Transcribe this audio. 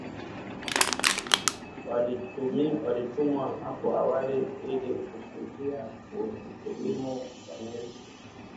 Walitumwa hapo awali ilikusudia kudumu kwa miezi sita